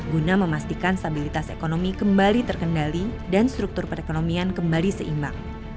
guna memastikan stabilitas ekonomi kembali terkendali dan struktur perekonomian kembali seimbang